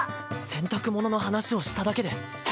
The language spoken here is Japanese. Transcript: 洗濯物の話をしただけで？